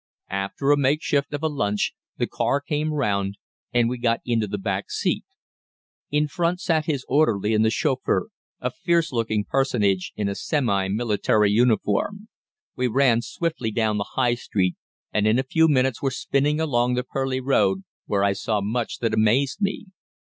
"After a makeshift of a lunch, the car came round, and we got into the back seat. In front sat his orderly and the chauffeur, a fierce looking personage in a semi military uniform. We ran swiftly down the High Street, and in a few minutes were spinning along the Purleigh Road, where I saw much that amazed me.